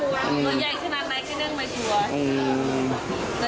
ตัวใหญ่ขนาดไหนก็ไม่กลัว